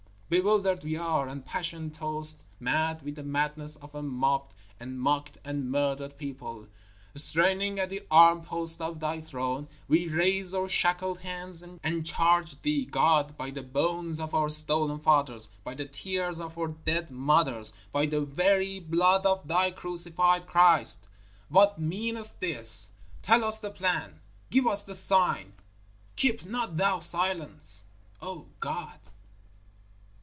_ Bewildered we are, and passion tost, mad with the madness of a mobbed and mocked and murdered people; straining at the armposts of Thy Throne, we raise our shackled hands and charge Thee, God, by the bones of our stolen fathers, by the tears of our dead mothers, by the very blood of Thy crucified Christ: What meaneth this? Tell us the Plan; give us the Sign! _Keep not thou silence, O God!